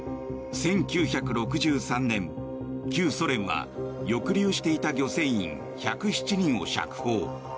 １９６３年旧ソ連は抑留していた漁船員１０７人を釈放。